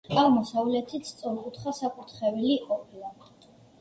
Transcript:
აღმოსავლეთით სწორკუთხა საკურთხეველი ყოფილა.